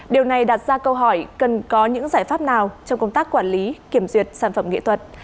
điều này đặt ra câu hỏi cần có những giải pháp nào trong công tác quản lý kiểm duyệt sản phẩm nghệ thuật